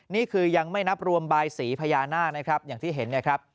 นี่คือยังไม่นับรวมใบสีพญานาคอย่างที่เห็น